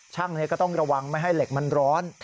ก็ต้องระวังไม่ให้เหล็กมันร้อน